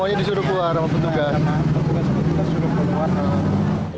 polisi juga langsung mencari penyidikan yang berbeda